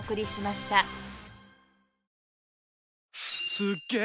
すっげえ！